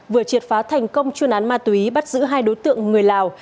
vừa triệt phá thành công chuyên án ma túy bắt giữ hai đối tượng người lào